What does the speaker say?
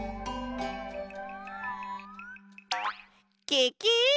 ケケ！